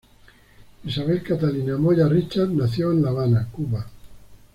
Isabel Catalina Moya Richard nació en La Habana, Cuba.